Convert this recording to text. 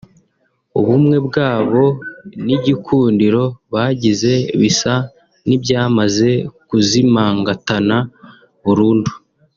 ubumwe bwabo n’igikundiro bagize bisa n’ibyamaze kuzimangatana burundu